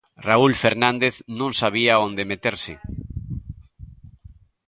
Raúl Fernández non sabía onde meterse.